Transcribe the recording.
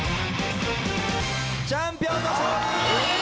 チャンピオンの勝利！